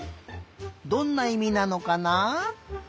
どんないみなのかな？